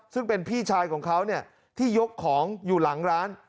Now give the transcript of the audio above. ซึ่งเป็นพี่ชายของเขาที่ยกของอยู่หลังร้าน